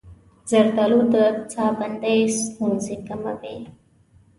زردآلو د ساه بندۍ ستونزې کموي.